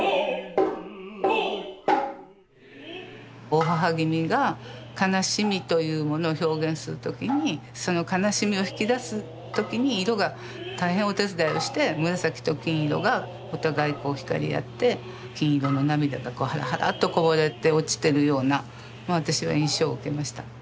大妣君が悲しみというものを表現する時にその悲しみを引き出す時に色が大変お手伝いをして紫と金色がお互い光り合って金色の涙がはらはらとこぼれて落ちてるような私は印象を受けました。